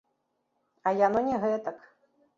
А яно не гэтак.